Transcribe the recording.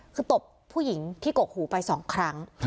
คือตบผู้หญิงที่กกหูไป๒ครั้ง